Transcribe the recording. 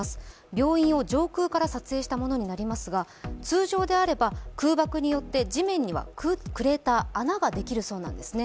病院を上空から撮影したものになりますが、通常であれば空爆によって地面にはクレーター、穴ができるそうなんですね。